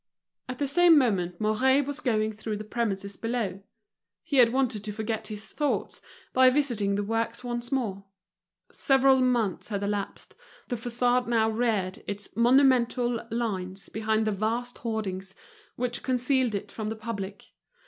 At the same moment Mouret was going through the premises below. He had wanted to forget his thoughts by visiting the works once more. Several months had elapsed, the façade now reared its monumental lines behind the vast hoardings which concealed it from the public.